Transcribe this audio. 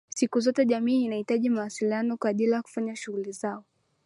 Siku zote jamii inahitaji mawasiliano kwa ajili ya kufanya shughuli zao